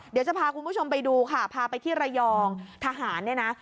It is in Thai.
เดี๋ยวจะพาคุณผู้ชมไปดูค่ะพาไปที่ระยองทหารเนี่ยนะ